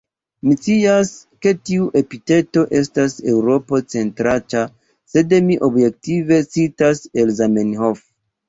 Mi scias, ke tiu epiteto estas eŭropo-centraĉa, sed mi objektive citas el Zamenhof.